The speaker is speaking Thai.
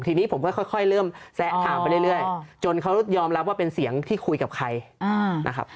ทีนี้ผมก็ค่อยเริ่มแซะถามไปเรื่อยจนเขายอมรับว่าเป็นเสียงที่คุยกับใครนะครับ